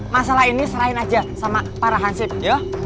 masalah ini serahin aja sama para hansip ya